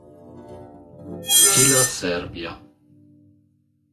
Illa Serbia.